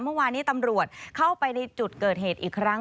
เมื่อวานี้ตำรวจเข้าไปในจุดเกิดเหตุอีกครั้ง